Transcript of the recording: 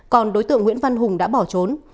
còn đối tượng nguyễn văn hùng đã bỏ trốn